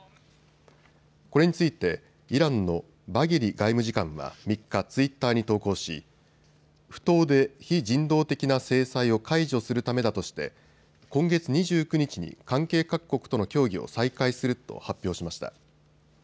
これについてイランのバゲリ外務次官は３日、ツイッターに投稿し不当で非人道的な制裁を解除するためだとして今月２９日に関係各国との協議を再開すると発表しました。